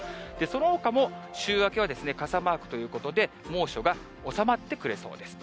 そのほかも週明けは、傘マークということで、猛暑が収まってくれそうです。